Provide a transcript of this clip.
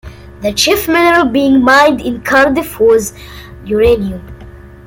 The chief mineral being mined in Cardiff was uranium.